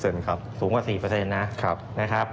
สูงกว่า๔นะครับ